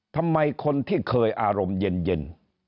ทำไมคนที่เคยอารมณ์เย็น